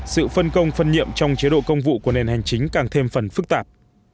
sự phân công phân nhiệm trong chế độ công vụ của nền hành chính càng thêm phần phức tạp